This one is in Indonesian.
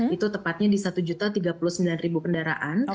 itu tepatnya di satu tiga puluh sembilan kendaraan